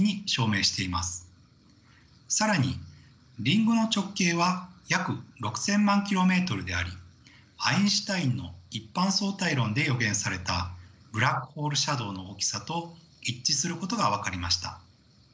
更にリングの直径は約６，０００万ｋｍでありアインシュタインの一般相対性理論で予言されたブラックホールシャドウの大きさと一致することが分かりました。